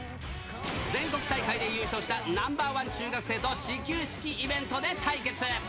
全国大会で優勝したＮｏ．１中学生と始球式イベントで対決。